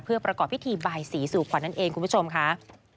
เพื่อประกอบพิธีบายสีสู่ขวัญนั่นเองคุณผู้ชมค่ะ